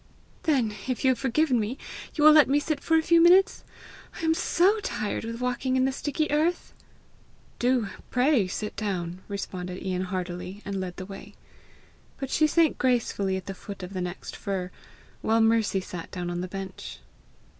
"Then, if you have forgiven me, you will let me sit for a few minutes! I am SO tired with walking in the sticky earth!" "Do, pray, sit down," responded Ian heartily, and led the way. But she sank gracefully at the foot of the next fir, while Mercy sat down on the bench.